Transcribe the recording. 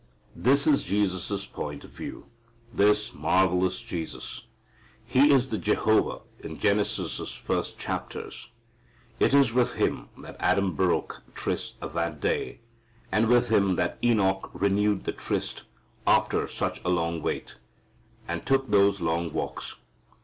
This is Jesus' point of view, this marvellous Jesus. He is the Jehovah in Genesis' first chapters. It is with Him that Adam broke tryst that day, and with Him that Enoch renewed the tryst after such a long wait, and took those long walks.